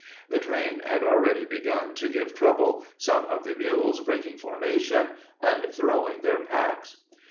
The train had already begun to give trouble, some of the mules breaking formation and throwing their packs.